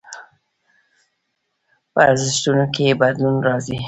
په ارزښتونو کې يې بدلون راځي.